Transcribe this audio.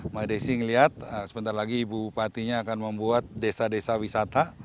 mbak desi melihat sebentar lagi ibu bupatinya akan membuat desa desa wisata